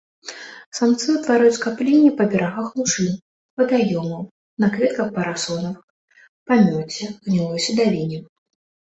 Самцы ўтвараюць скапленні па берагах лужын, вадаёмаў, на кветках парасонавых, памёце, гнілой садавіне.